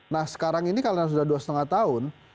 nah sekarang ini karena sudah dua lima tahun